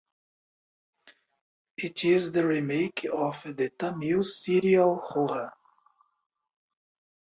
It is the remake of the Tamil serial Roja.